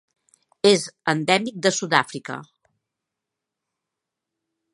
És endèmic de Sud-àfrica.